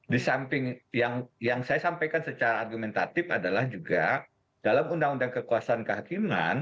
di samping yang saya sampaikan secara argumentatif adalah juga dalam undang undang kekuasaan kehakiman